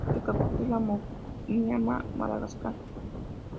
Su capital es la homónima Magadán.